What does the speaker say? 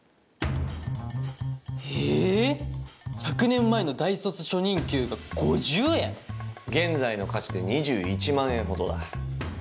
１００年前の大卒初任給が５０円⁉現在の価値で２１万円ほどだ。